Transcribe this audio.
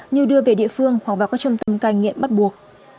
như đưa về địa phương hoặc vào các trung tâm cai nghiện bắt buộc